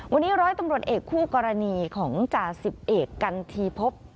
วันนี้ร้อยตำรวจเอกคู่กรณีของจ่าสิบเอกกันทีพบ